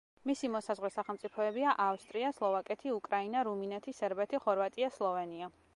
მისი მოსაზღვრე სახელმწიფოებია: ავსტრია, სლოვაკეთი, უკრაინა, რუმინეთი, სერბეთი, ხორვატია, სლოვენია.